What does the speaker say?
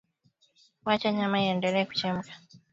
wacha nyama iendelea kuchemka